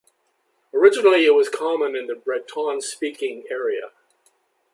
Originally, it was common in the Breton-speaking area.